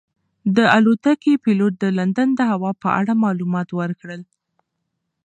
د الوتکې پېلوټ د لندن د هوا په اړه معلومات ورکړل.